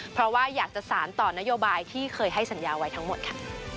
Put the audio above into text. เพราะว่าอยากจะสารต่อนโยบายที่เคยให้สัญญาไว้ทั้งหมดค่ะ